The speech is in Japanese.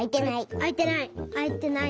あいてない。